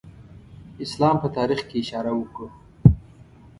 اسلام په تاریخ کې اشاره وکړو.